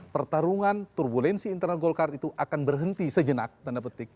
pertarungan turbulensi internal golkar itu akan berhenti sejenak tanda petik